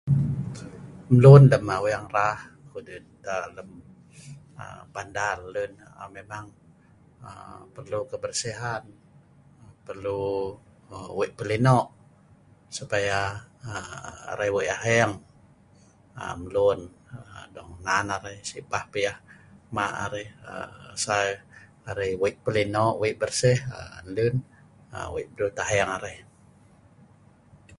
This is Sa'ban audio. Mlun lem Aweng rah kokdut lem bandar nlun, memang perlu kebersihan perlu wei pelino' supaya arai wei aheng mlun dong nan arai. Si pah tah maak arai , asal arai wei pelino wei bersih nlun, wei brul tah aheng arai